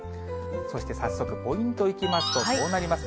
そして早速ポイントいきますと、こうなります。